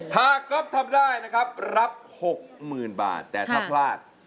ถ้าก๊อบทำได้นะครับรับ๖๐๐๐๐บาท